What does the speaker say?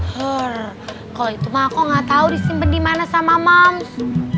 kalau itu mah aku gak tau disimpen dimana sama mams